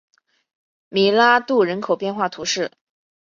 米拉杜人口变化图示